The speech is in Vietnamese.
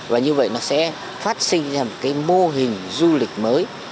và như vậy nó sẽ phát sinh ra một cái mô hình du lịch mới